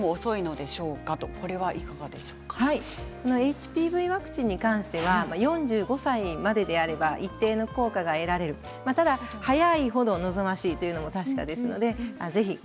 ＨＰＶワクチンに関しては４５歳までであれば一定の効果が得られるただ早い程、望ましいというのは確かです。